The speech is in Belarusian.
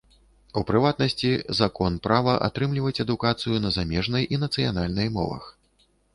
У прыватнасці, закон права атрымліваць адукацыю на замежнай і нацыянальнай мовах.